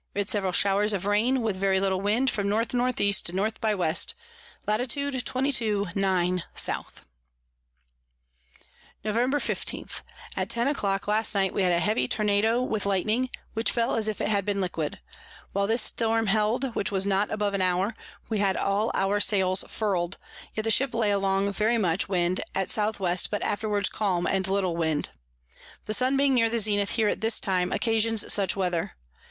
We had several Showers of Rain with very little Wind from N N E. to N by W. Lat. 22. 9. S. [Sidenote: Make the Land of Brazile.] Nov. 15. At ten a clock last night we had a heavy Turnado with Lightning, which fell as if it had been liquid. While this Storm held, which was not above an hour, we had all our Sails furl'd; yet the Ship lay along very much. Wind at S W. but afterwards calm, and little Wind. The Sun being near the Zenith here at this time, occasions such Weather.